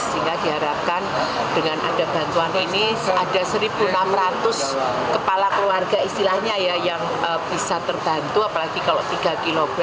sehingga diharapkan dengan ada bantuan ini ada satu enam ratus kepala keluarga istilahnya ya yang bisa terbantu apalagi kalau tiga kg